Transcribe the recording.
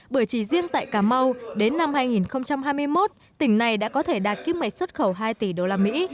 bởi chỉ riêng tại cà mau đến năm hai nghìn hai mươi một tỉnh này đã có thể đạt kim ngạch xuất khẩu hai tỷ đô la mỹ